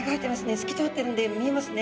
透き通ってるんで見えますね。